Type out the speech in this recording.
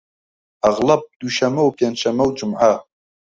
ئەغڵەب دووشەممە و پێنج شەممە و جومعە